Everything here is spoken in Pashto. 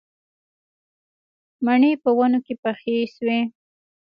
مڼې په ونو کې پخې شوې